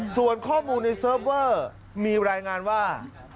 ส่วนข้อมูลในเซิร์ฟเวอร์มีรายงานว่า